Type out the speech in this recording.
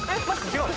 違う？